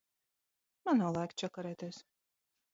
Man nav laika čakarēties.